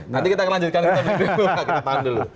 nanti kita akan lanjutkan kita tahan dulu